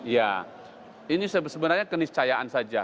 ya ini sebenarnya keniscayaan saja